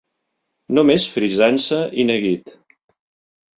Només frisança i neguit.